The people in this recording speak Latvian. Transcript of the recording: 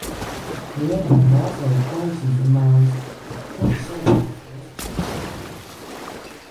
Lielajai māsai ir taisns un melns. Kā sauc viņas mūzikas instrumentu?